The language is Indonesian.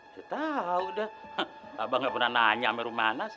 eh ya tau dah abang gak pernah nanya sama rumana sih